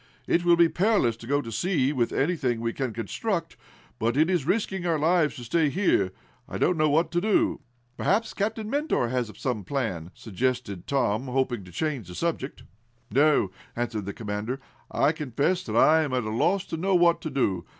"It will be perilous to go to sea with anything we can construct, but it is risking our lives to stay here. I don't know what to do." "Perhaps Captain Mentor has some plan," suggested Tom, hoping to change the subject. "No," answered the commander, "I confess I am at a loss to know what to do.